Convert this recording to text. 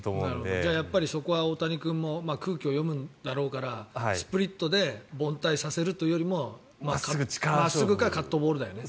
じゃあそこは大谷君も空気を読むんだろうからスプリットで凡退させるというよりも真っすぐかカットボールだよね。